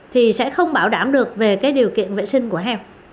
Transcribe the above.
thì sẽ không bảo đảm được về cái điều kiện vệ sinh của heo